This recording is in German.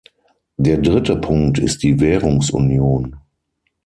Der dritte Punkt ist die Währungsunion.